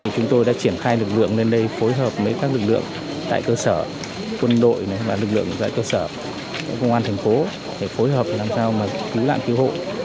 chúng tôi đã triển khai lực lượng lên đây phối hợp với các lực lượng tại cơ sở quân đội và lực lượng tại cơ sở công an thành phố để phối hợp làm sao cứu nạn cứu hộ